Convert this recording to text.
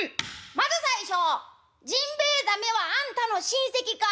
まず最初ジンベエザメはあんたの親戚か？」。